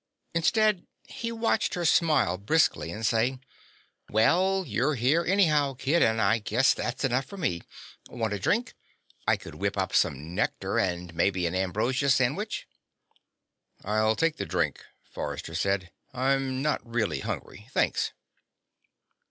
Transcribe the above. Instead, he watched her smile briskly and say: "Well, you're here, anyhow, kid, and I guess that's enough for me. Want a drink? I could whip up some nectar and maybe an ambrosia sandwich?" "I'll take the drink," Forrester said. "I'm not really hungry, thanks."